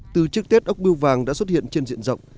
từ trước tết ốc biêu vàng đã xuất hiện trên diện rộng